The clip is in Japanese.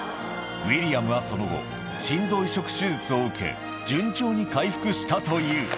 ウィリアムはその後、心臓移植手術を受け、順調に回復したという。